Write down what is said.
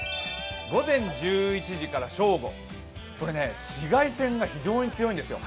午前１１時から正午、これ、紫外線が非常に強いんですよ。